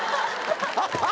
ハハハ！